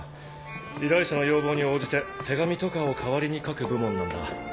依頼者の要望に応じて手紙とかを代わりに書く部門なんだ。